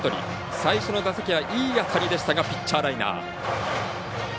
最初の打席はいい当たりでしたがピッチャーライナー。